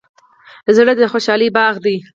زړه د خوشحالۍ باغ دی.